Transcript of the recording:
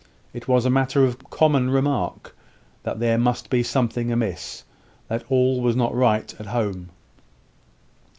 It was a matter of common remark, that there must be something amiss that all was not right at home.